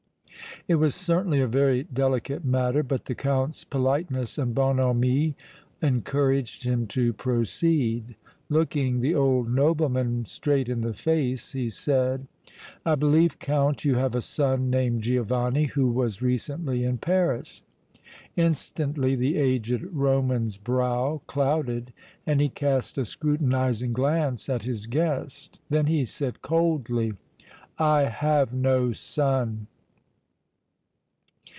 It was certainly a very delicate matter, but the Count's politeness and bonhomie encouraged him to proceed. Looking the old nobleman straight in the face he said: "I believe, Count, you have a son named Giovanni, who was recently in Paris." Instantly the aged Roman's brow clouded and he cast a scrutinizing glance at his guest. Then he said, coldly: "I have no son!"